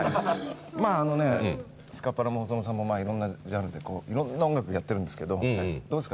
まああのねスカパラも細野さんもいろんなジャンルでいろんな音楽やってるんですけどどうですか？